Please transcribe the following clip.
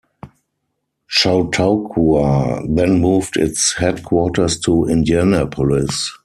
Chautauqua then moved its headquarters to Indianapolis.